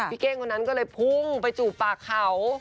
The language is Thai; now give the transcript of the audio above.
เก้งคนนั้นก็เลยพุ่งไปจูบปากเขา